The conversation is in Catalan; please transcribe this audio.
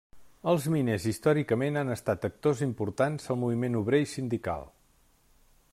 Els miners històricament han estat actors importants al moviment obrer i sindical.